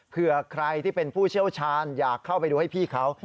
เผื่อใครที่เป็นผู้เชี่ยวชาญอยากเข้าไปดูให้พี่เขา